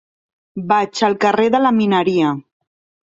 Vaig al carrer de la Mineria.